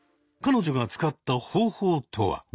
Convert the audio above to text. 彼女が使った方法とは。